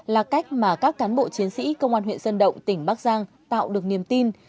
là cách mà các cán bộ chiến sĩ công an huyện sơn động tỉnh bắc giang tạo được niềm tin